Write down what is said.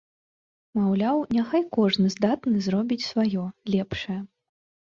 Маўляў, няхай кожны здатны зробіць сваё, лепшае.